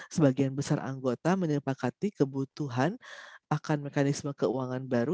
sebagian besar anggota menyepakati kebutuhan akan mekanisme keuangan baru